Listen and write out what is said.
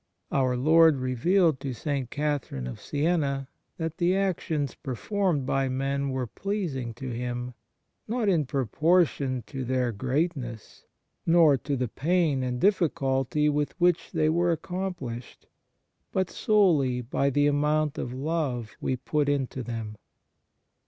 Our Lord revealed to St. Catherine of Siena that the actions performed by men were pleasing to Him, not in proportion to their great ness, nor to the pain and difficulty with which they were accomplished, but solely by the amount of love we put into them.